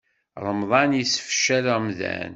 Remḍan yessefcal amdan.